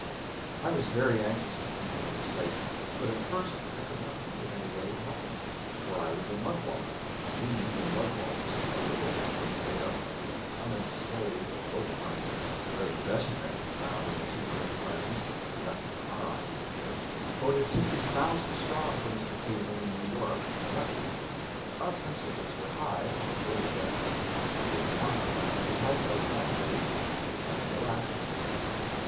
I was very anxious to keep him in his place, but at first I could not think of any way to help him, for I was a mugwump. We, the mugwumps, a little company made up of the unenslaved of both parties, the very best men to be found in the two great parties that was our idea of it voted sixty thousand strong for Mr. Cleveland in New York and elected him. Our principles were high, and very definite. We were not a party; we had no candidates; we had no axes to grind.